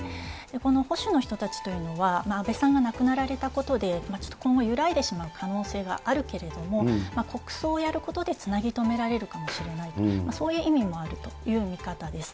この保守の人たちというのは、安倍さんが亡くなられたことで今後、揺らいでしまう可能性があるけれども、国葬をやることでつなぎ止められるかもしれないと、そういう意味もあるという見方です。